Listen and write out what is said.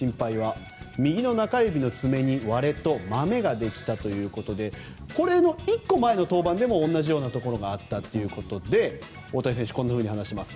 右手中指の爪に割れとまめができたということでこれの１個前の登板でも同じようなところがあったということで大谷選手はこんなふうに話しています。